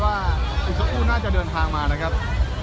อีกสักครู่น่าจะเดินทางมานะครับ